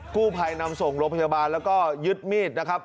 กู้ภัยนำส่งโรงพยาบาลแล้วก็ยึดมีดนะครับ